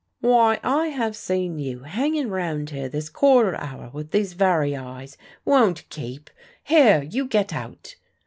"Why, I have seen you hanging round here this quarter hour with these very eyes! 'Won't keep'? Here, you get out!"